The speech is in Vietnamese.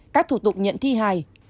các thủ tục nhận thi hài